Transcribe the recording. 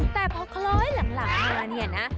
แต่พอคล้อยหลังมาเนี่ยนะ